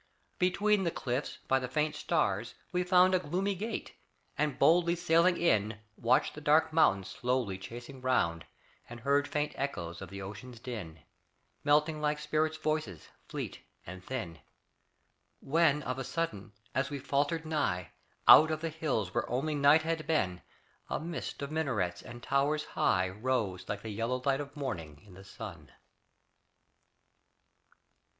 Between the cliffs, by the faint stars, we found A gloomy gate, and boldly sailing in, Watched the dark mountains slowly closing round, And heard faint echoes of the ocean's din Melting like spirits' voices, fleet and thin; When of a sudden, as we faltered nigh, Out of the hills where only night had been A mist of minarets and towers high, Rose like the yellow light of morning in the sky.